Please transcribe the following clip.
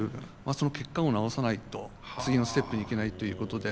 その血管を治さないと次のステップにいけないということで。